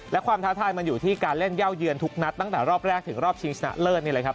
และความท้าทายมันอยู่ที่การเล่นเย่าเยือนทุกนัดตั้งแต่รอบแรกถึงรอบชิงชนะเลิศนี่แหละครับ